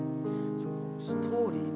ストーリー。